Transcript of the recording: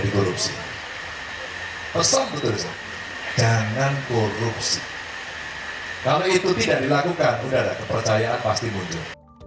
dikorupsi pesan betul jangan korupsi kalau itu tidak dilakukan udara kepercayaan pasti muncul